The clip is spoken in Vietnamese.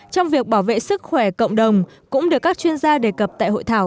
trong việc bảo vệ sức khỏe cộng đồng cũng được các chuyên gia đề cập tại hội thảo